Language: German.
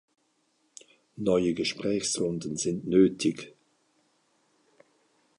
Neue Gesprächsrunden sind nötig.